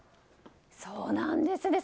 そうなんですね。